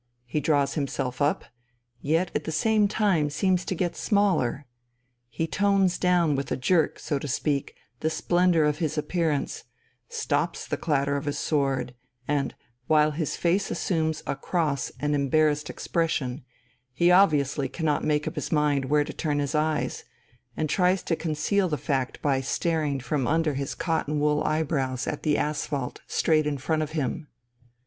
He draws himself up, yet at the same time seems to get smaller. He tones down with a jerk, so to speak, the splendour of his appearance, stops the clatter of his sword, and, while his face assumes a cross and embarrassed expression, he obviously cannot make up his mind where to turn his eyes, and tries to conceal the fact by staring from under his cotton wool eyebrows at the asphalt straight in front of him.